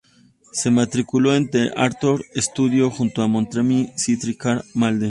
Se matriculó en The Actors Studio junto a Montgomery Clift y Karl Malden.